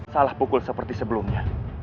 salah pukul seperti sebelumnya